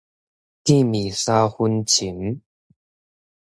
見面三分情